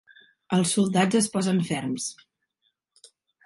Els soldats es posen ferms.